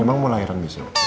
emang mau lahiran besok